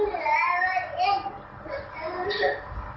แกเร็วขึ้น